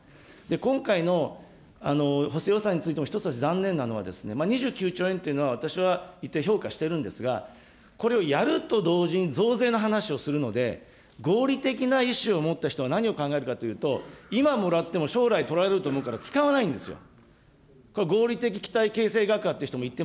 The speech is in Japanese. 今回の補正予算についても一つ私、残念なのは、２９兆円というのは、私は一定評価しているんですが、これをやると同時に増税の話をするので、合理的な意思を持った人は何を考えるかというと、今もらっても将来取られると思うから使わないんですよ。